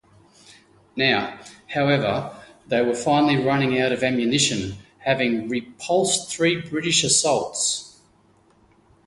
Now, however, they were finally running out of ammunition, having repulsed three British assaults.